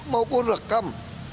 mau gue rekam